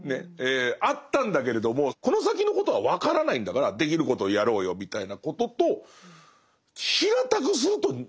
あったんだけれどもこの先のことは分からないんだからできることをやろうよみたいなことと平たくするとまあ似てますよね。